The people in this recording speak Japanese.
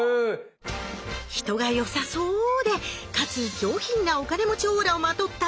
人がよさそでかつ上品なお金持ちオーラをまとった男性。